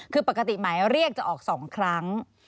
คือปกติหมายเรียกจะออก๒ครั้ง